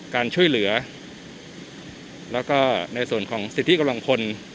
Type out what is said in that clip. การช่วยเหลือแล้วก็ในส่วนของสิทธิกำลังพล